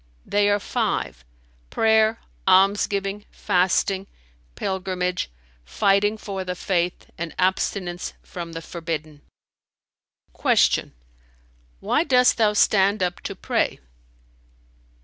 "They are five, prayer, almsgiving, fasting, pilgrimage, fighting for the Faith and abstinence from the forbidden." Q "Why dost thou stand up to pray?"